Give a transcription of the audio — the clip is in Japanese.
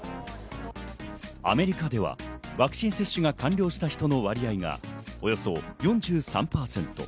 アメリカではワクチン接種が完了した人の割合がおよそ４３％。